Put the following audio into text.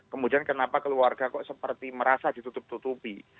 kemudian kenapa keluarga kok seperti merasa ditutup tutupi